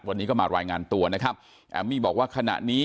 วันนี้ก็มารายงานตัวนะครับแอมมี่บอกว่าขณะนี้